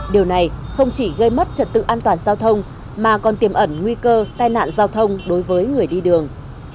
điều này không chỉ gây mất trật tự an toàn giao thông mà còn tiềm ẩn nguy cơ tai nạn giao thông đối với người đi đường